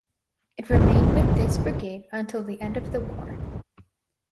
It remained with this brigade until the end of the war.